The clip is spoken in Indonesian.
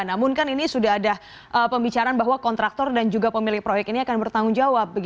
namun kan ini sudah ada pembicaraan bahwa kontraktor dan juga pemilik proyek ini akan bertanggung jawab